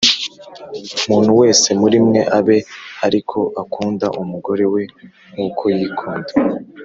Umuntu wese muri mwe abe ari ko akunda umugore we nk uko yikunda